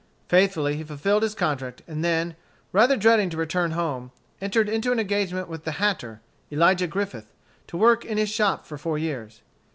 Faithfully he fulfilled his contract, and then, rather dreading to return home, entered into an engagement with a hatter, Elijah Griffith, to work in his shop for four years.